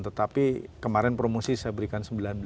tetapi kemarin promosi saya berikan sembilan belas